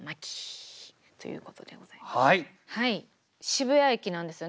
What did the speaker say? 渋谷駅なんですよね。